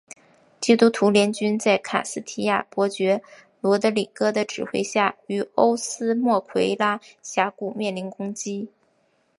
基督徒联军在卡斯提亚伯爵罗德里哥的指挥下于欧斯莫奎拉峡谷面临攻击。